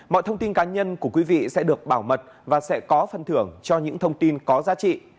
mọi thông tin cá nhân của quý vị sẽ được bảo mật và sẽ có phần thưởng cho những thông tin có giá trị